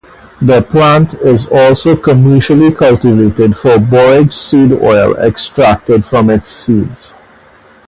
The plant is also commercially cultivated for borage seed oil extracted from its seeds.